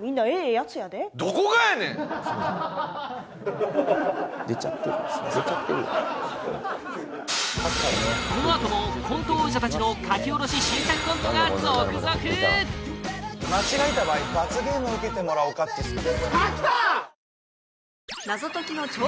みんなええやつやでどこがやねんすいません出ちゃってる出ちゃってるよこのあともコント王者達の書き下ろし新作コントが続々間違えた場合罰ゲームを受けてもらおうかって世界初！